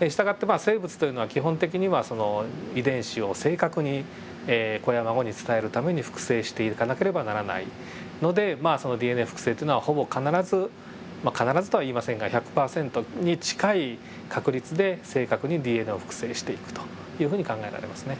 従ってまあ生物というのは基本的にはその遺伝子を正確に子や孫に伝えるために複製していかなければならないのでそのＤＮＡ複製っていうのはほぼ必ずまあ必ずとは言いませんが１００％に近い確率で正確にＤＮＡを複製していくというふうに考えられますね。